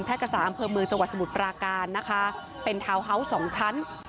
กษาอำเภอเมืองจังหวัดสมุทรปราการนะคะเป็นทาวน์เฮาส์สองชั้น